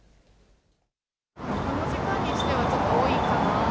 この時間にしては、ちょっと多いかな。